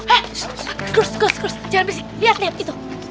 eh terus terus terus jangan berisik liat liat itu